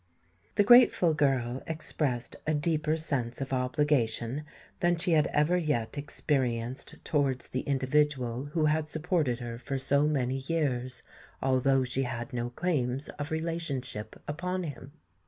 The grateful girl expressed a deeper sense of obligation than she had ever yet experienced towards the individual who had supported her for so many years, although she had no claims of relationship upon him.